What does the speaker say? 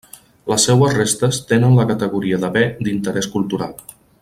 Les seues restes tenen la categoria de Bé d'Interés Cultural.